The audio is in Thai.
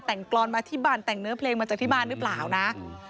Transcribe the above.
แต่งกรอนมาที่บ้านแต่งเนื้อเพลงมาจากที่บ้านหรือเปล่านะ